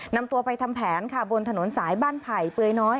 นำตัวไปทำแผนค่ะบนถนนสายบ้านไผ่เปลือยน้อย